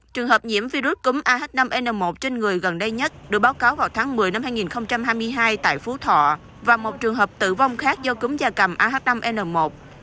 trường hợp nhiễm virus cúng ah năm n một trên người gần đây nhất được báo cáo vào tháng một mươi năm hai nghìn hai mươi